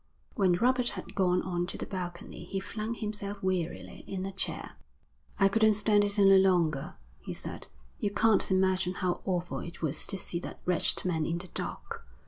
When Robert had gone on to the balcony, he flung himself wearily in a chair. 'I couldn't stand it any longer,' he said. 'You can't imagine how awful it was to see that wretched man in the dock.